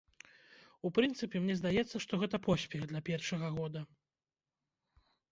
У прынцыпе, мне здаецца, што гэта поспех для першага года.